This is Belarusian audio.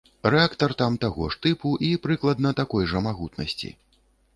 Рэактар там таго ж тыпу і прыкладна такой жа магутнасці.